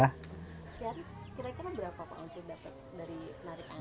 kira kira berapa pak untuk dapat dari penarik angkot